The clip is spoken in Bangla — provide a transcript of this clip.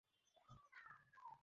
বাবা, তোমার কিছু নেই বাবা?